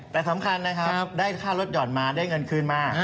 แต่สำคัญนะครับได้ค่ารถห่อนมาได้เงินคืนมา